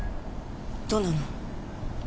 どうなの？